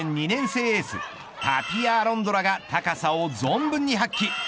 ２年生エースタピア・アロンドラが高さを存分に発揮。